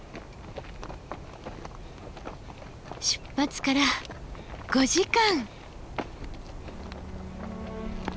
出発から５時間。